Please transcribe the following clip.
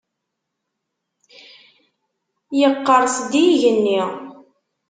Yeqqers-d yigenni.